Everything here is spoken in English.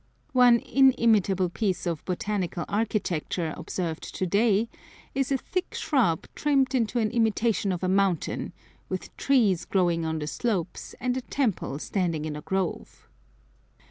One inimitable piece of "botanical architecture" observed to day is a thick shrub trimmed into an imitation of a mountain, with trees growing on the slopes, and a temple standing in a grove.